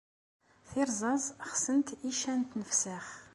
Tirẓaẓ xsent icca n tfesnax.